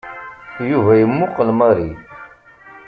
Yuba yemmuqel Mary.